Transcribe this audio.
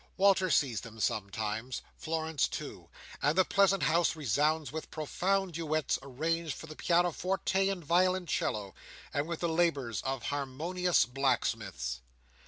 Walter sees them sometimes—Florence too—and the pleasant house resounds with profound duets arranged for the Piano Forte and Violoncello, and with the labours of Harmonious Blacksmiths.